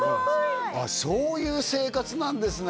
ああそういう生活なんですね